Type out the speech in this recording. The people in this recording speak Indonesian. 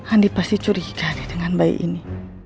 andi pasti curiga nih dengan bayi ini